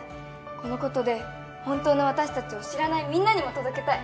このことで本当の私たちを知らないみんなにも届けたい。